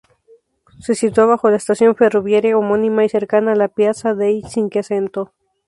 Se sitúa bajo la estación ferroviaria homónima y cercana a la Piazza dei Cinquecento.